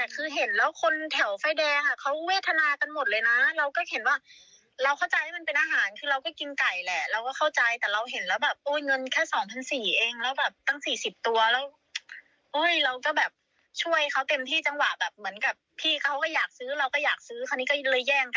ก็ไม่คิดว่ามันจะดังในลบบุรีแบบคนทักมาเยอะมากเลยค่ะ